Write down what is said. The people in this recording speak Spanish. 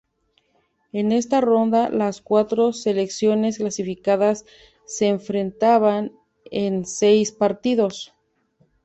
En esta ronda las cuatro selecciones clasificadas se enfrentaban en seis partidos.